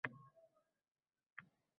Muzeylar faoliyati talabga javob beradimi?